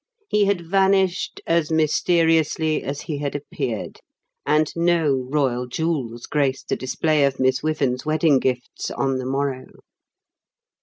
He had vanished as mysteriously as he had appeared, and no royal jewels graced the display of Miss Wyvern's wedding gifts on the morrow.